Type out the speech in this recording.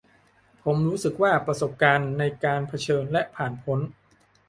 ผมรู้สึกว่า ประสบการณ์ในการ 'เผชิญ' และ 'ผ่านพ้น'